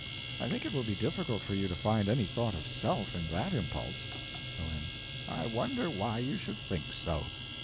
I think it will be difficult for you to find any thought of self in that impulse. O.M. I wonder why you should think so.